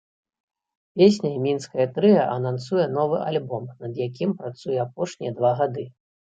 Песняй мінскае трыа анансуе новы альбом, над якім працуе апошнія два гады.